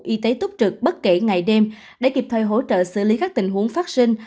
y tế túc trực bất kể ngày đêm để kịp thời hỗ trợ xử lý các tình huống phát sinh